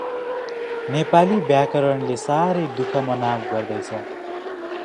नेपाली व्याकरणले साह्रै दुःखमनाव गर्दै छ!